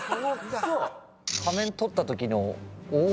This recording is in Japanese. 嘘⁉仮面取ったときのお！